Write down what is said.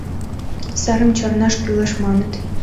Сарым чарнаш кӱлеш маныт.